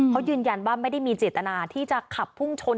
เขายืนยันว่าไม่ได้มีเจตนาที่จะขับพุ่งชน